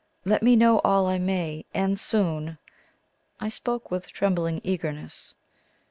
Let me know all I may; and soon!" I spoke with trembling eagerness.